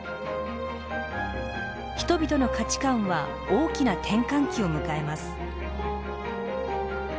人々の価値観は大きな転換期を迎えます。